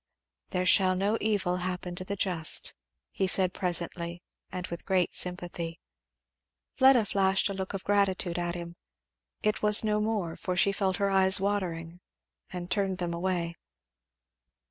"'There shall no evil happen to the just,'" he said presently and with great sympathy. Fleda flashed a look of gratitude at him it was no more, for she felt her eyes watering and turned them away.